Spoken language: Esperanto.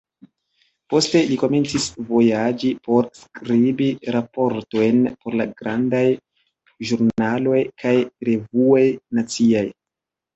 Poste li komencis vojaĝi por skribi raportojn por la grandaj ĵurnaloj kaj revuoj naciaj.